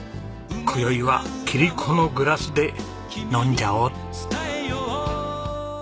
今宵は切子のグラスで飲んじゃおう。